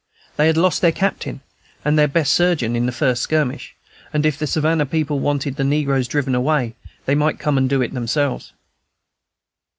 "They had lost their captain and their best surgeon in the first skirmish, and if the Savannah people wanted the negroes driven away, they might come and do it themselves."